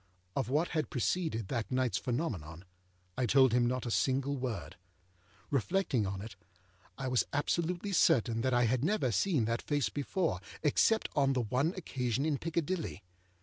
Of what had preceded that nightâs phenomenon, I told him not a single word. Reflecting on it, I was absolutely certain that I had never seen that face before, except on the one occasion in Piccadilly.